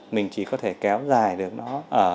mình chỉ có thể kéo dài được nó